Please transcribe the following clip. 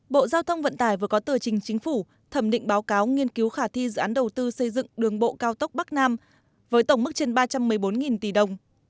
bộ giao thông vận tải vừa có tờ trình chính phủ thẩm định báo cáo nghiên cứu khả thi dự án đầu tư xây dựng đường bộ cao tốc bắc nam với tổng mức trên ba trăm một mươi bốn tỷ đồng